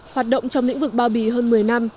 hoạt động trong lĩnh vực bao bì hơn một mươi năm